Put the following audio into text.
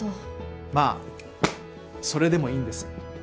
まあそれでもいいんです。